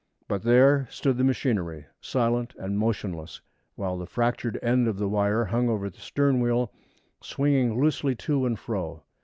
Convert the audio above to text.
But there stood the machinery, silent and motionless, while the fractured end of the wire hung over the stern wheel, swinging loosely to and fro.